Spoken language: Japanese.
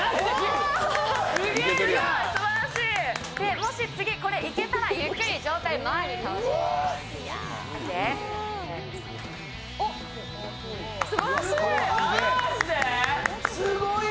もし次いけたら、上体ゆっくり前に倒します。